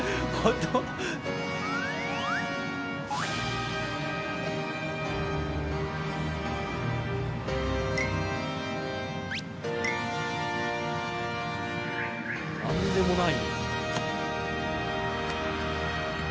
なんでもない。